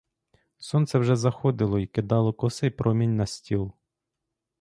Сонце вже заходило й кидало косий промінь на стіл.